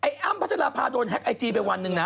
ไอ้อ้ำพระชาพาโดนแฮ็กไอจีไปอันหนึ่งนะ